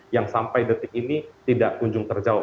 yang sampai detik ini tidak kunjung terjawab